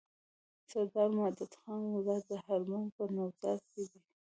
دسردار مدد خان مزار د هلمند په نوزاد کی دی